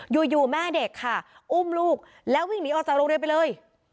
อยู่แม่เด็กค่ะอุ้มลูกแล้ววิ่งหนีออกจากโรงเรียนไปเลย